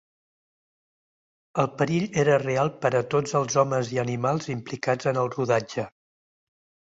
El perill era real per a tots els homes i animals implicats en el rodatge.